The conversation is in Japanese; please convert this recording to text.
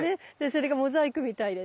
それがモザイクみたいでね